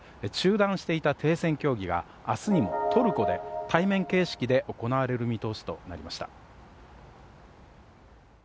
中断していた停戦協議が明日にもトルコで対面形式で行われる見通しとなりました。